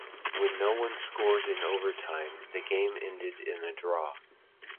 When no one scored in overtime, the game ended in a draw.